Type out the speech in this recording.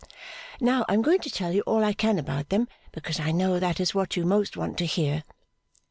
Now I am going to tell you all I can about them, because I know that is what you most want to hear.